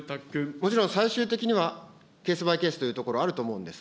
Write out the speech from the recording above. もちろん最終的にはケースバイケースというところあると思うんです。